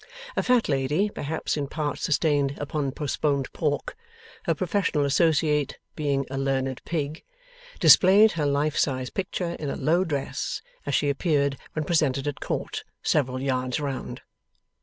A Fat Lady, perhaps in part sustained upon postponed pork, her professional associate being a Learned Pig, displayed her life size picture in a low dress as she appeared when presented at Court, several yards round.